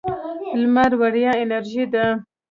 لمر وړیا انرژي ده.